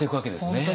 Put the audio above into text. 本当に。